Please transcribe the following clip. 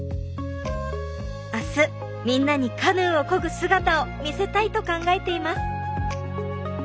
明日みんなにカヌーをこぐ姿を見せたいと考えています。